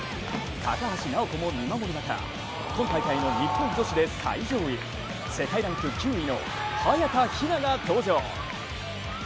高橋尚子も見守る中、今大会の日本女子で最上位世界ランク９位の早田ひなが登場。